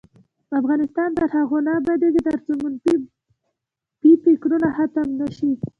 افغانستان تر هغو نه ابادیږي، ترڅو منفي بافي ختمه نشي.